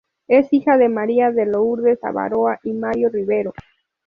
Es hija de María de Lourdes Abaroa y Mario Rivero.